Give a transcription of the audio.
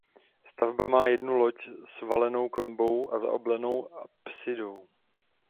Stavba má jednu loď s valenou klenbou a zaoblenou apsidou.